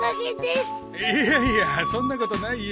いやいやそんなことないよ。